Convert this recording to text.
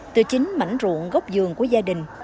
từ chính mảnh ruộng gốc giường của gia đình